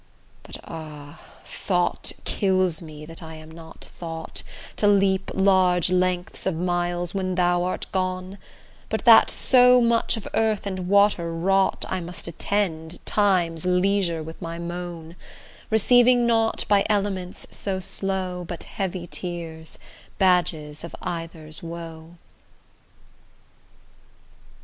But, ah! thought kills me that I am not thought, To leap large lengths of miles when thou art gone, But that so much of earth and water wrought, I must attend time's leisure with my moan; Receiving nought by elements so slow But heavy tears, badges of either's woe.